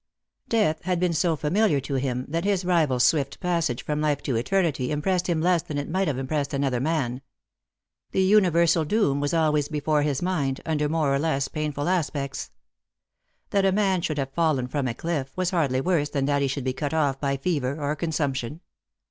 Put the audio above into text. Death had been so familiar to him that his rival's swift Eassage from life to eternity impressed him less than it might ave impressed another man. The universal doom was always before his mind, under more or less painful aspects. That a man should have fallen from a cliff was hardly worse than that Lost for Love. 165 he should be cut off by fever or consumption.